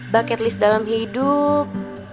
bucket list dalam hidup